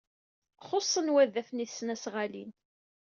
Xuṣṣen wadafen i tesnasɣalin.